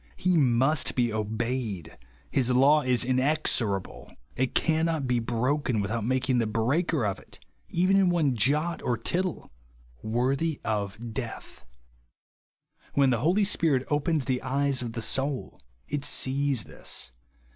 He must be obeyed ; his law is inexorable ; it cannot be broken ^v'ithout making the breaker of it (even in one jot or tittle) worthy of death. When the Holy Spirit opens the eyes of the soul it sees this.